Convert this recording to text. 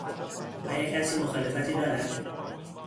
آیا کسی مخالفتی دارد؟